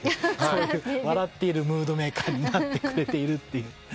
笑っているムードメーカーになってくれているという。